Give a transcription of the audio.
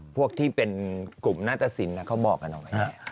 พวกที่เป็นกลุ่มนัตตสินเขาบอกกันออกมาแหละ